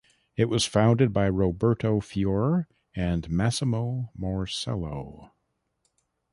It was founded by Roberto Fiore and Massimo Morsello.